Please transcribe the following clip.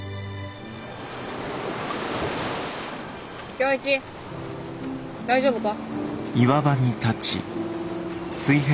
今日一大丈夫か？